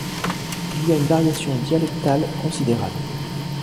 Il y a une variation dialectale considérable.